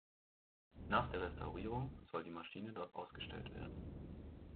Nach der Restaurierung soll die Maschine dort ausgestellt werden.